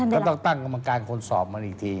ก็ต้องตั้งกรรมการคนสอบมันอีกที